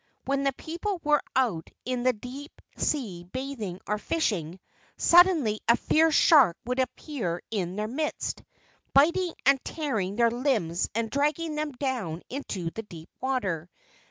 When the people were out in the deep sea bathing or fishing, suddenly a fierce shark would appear in their midst, biting and tearing their limbs and dragging them down in the deep water.